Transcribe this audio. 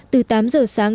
từ tám giờ sáng